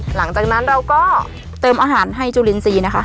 หลังจากนั้นเราก็เติมอาหารให้จุลินทรีย์นะคะ